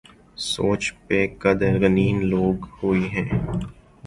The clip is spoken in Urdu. سوچ پہ قدغنیں لگی ہوئی ہیں۔